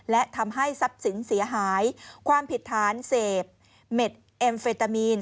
และทำให้ทรัพย์สินเสียหายความผิดฐานเสพเม็ดเอ็มเฟตามีน